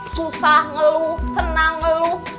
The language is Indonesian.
susah ngeluh senang ngeluh